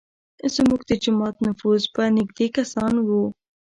زموږ د جومات نفوس به نیږدی کسان وي.